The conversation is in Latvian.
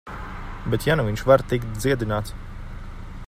Bet ja nu viņš var tikt dziedināts...